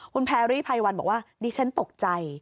คุณแพรรี่ไพวันบอกว่าดิฉันตกใจ